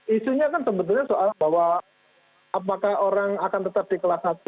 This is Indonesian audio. isunya kan sebetulnya soal bahwa apakah orang akan tetap di kelas satu